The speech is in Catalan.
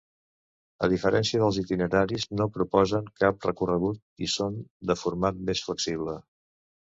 A diferència dels itineraris, no proposen cap recorregut i són de format més flexible.